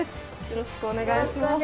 よろしくお願いします。